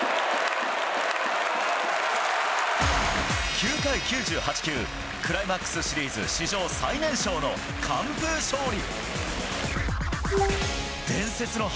９回９８球クライマックスシリーズ史上最年少の完封勝利。